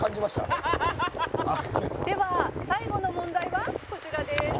では最後の問題はこちらです。